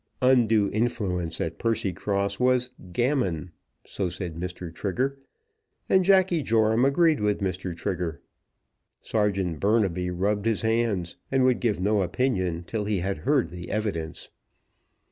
Undue influence at Percycross was "gammon." So said Mr. Trigger, and Jacky Joram agreed with Mr. Trigger. Serjeant Burnaby rubbed his hands, and would give no opinion till he had heard the evidence.